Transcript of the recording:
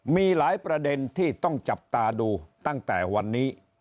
มีหลายประเด็นที่ต้องจับตาดูตั้งแต่วันนี้